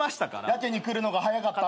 やけに来るのが早かった。